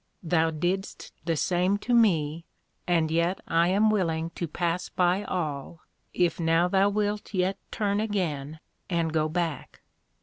Thou didst the same to me, and yet I am willing to pass by all, if now thou wilt yet turn again and go back.